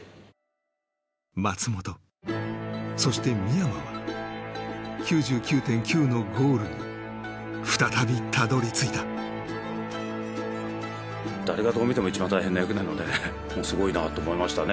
松本そして深山は「９９．９」のゴールに再びたどり着いた誰がどう見ても一番大変な役なのですごいなと思いましたね